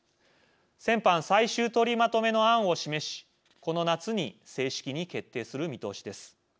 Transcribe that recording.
先般最終取りまとめの案を示しこの夏に正式に決定する見通しです。